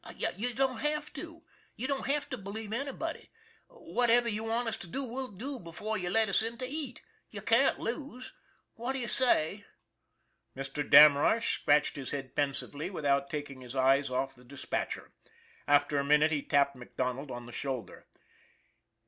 " You don't have to. You don't have to believe any body. Whatever you want us to do we'll do before you let us in to eat. You can't lose. What do you say?" Mr. Damrosch scratched his head pensively, without taking his eyes off the dispatcher. After a minute he tapped MacDonald on the shoulder.